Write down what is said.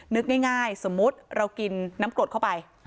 นึกง่ายสมมุติเรากินน้ำกรดเข้าไป